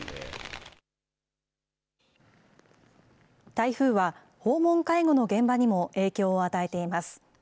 台風は訪問介護の現場にも影響を与えています。